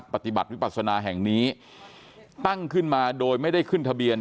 ปฏิบัติวิปัสนาแห่งนี้ตั้งขึ้นมาโดยไม่ได้ขึ้นทะเบียน